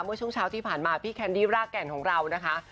เมื่อช่วงเช้าที่ผ่านมาพี่แคนดี้รากแก่นของเรานะคะ